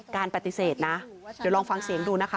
การปฏิเสธนะเดี๋ยวลองฟังเสียงดูนะคะ